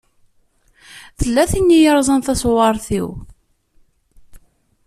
Tella tin i yeṛẓan taṣewwaṛt-iw.